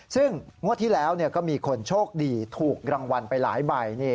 ซึ่งงวดที่แล้วก็มีคนโชคดีถูกรางวัลไปหลายใบ